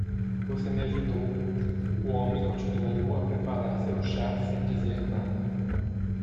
"Você me ajudou." O homem continuou a preparar seu chá sem dizer nada.